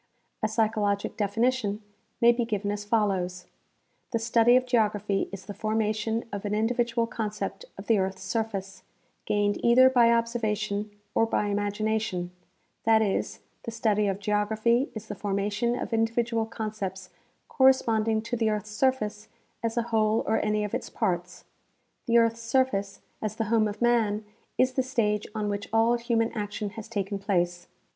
A psychologic definition may be given as follows : The study of geography is the formation of an individual concept of the earth's surface, gained either by observation or by imagination ; that is, the study of geography is the formation of individual concepts cor responding to the earth's surface as a whole or any of its parts. The earth's surface, as the home of man, is the stage on which all human action has taken place.